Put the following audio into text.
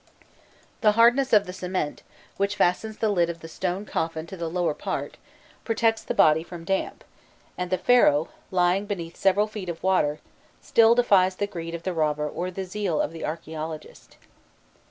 The hardness of the cement, which fastens the lid of the stone coffin to the lower part, protects the body from damp, and the Pharaoh, lying beneath several feet of water, still defies the greed of the robber or the zeal of the archaeologist.